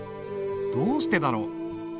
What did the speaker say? どうしてだろう？